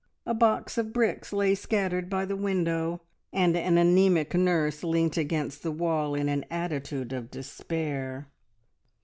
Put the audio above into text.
A box of bricks lay scattered by the window, and an anaemic nurse leant against the wall in an attitude of despair.